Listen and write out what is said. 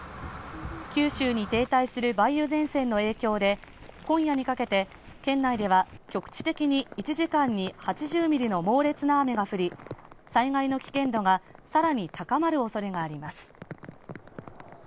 九州に停滞する梅雨前線の影響で、今夜にかけて県内では局地的に１時間に８０ミリの猛烈な雨が降り、災害の危険度がさらに高まるおそれがあります。